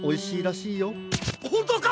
ほんとうか！？